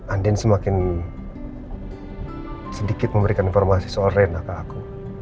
andin semakin sedikit memberikan informasi soal rena ke aku